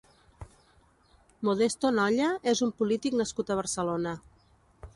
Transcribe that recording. Modesto Nolla és un polític nascut a Barcelona.